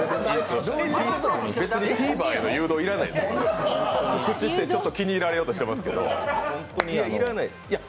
別にＴＶｅｒへの誘導要らないですよ、告知して気に入られようとしていますけども、いらない。